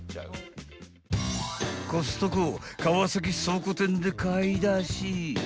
［コストコ川崎倉庫店で買い出し］